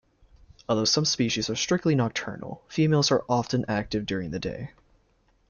Although some species are strictly nocturnal, females are often active during the day.